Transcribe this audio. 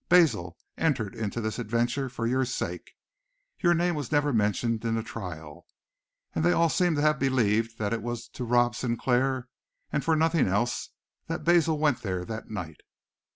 Basil entered into this adventure for your sake. Your name was never mentioned in the trial, and they all seem to have believed that it was to rob Sinclair, and for nothing else, that Basil went there that night.